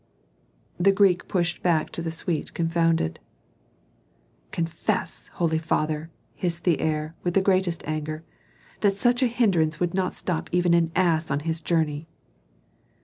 The Greek pushed back to the suite confounded. "Confess, holy father," hissed the heir, with the greatest anger, "that such a hindrance would not stop even an ass on his journey."